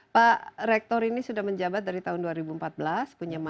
pak rektor ini sudah menjabat dari tahun dua ribu empat belas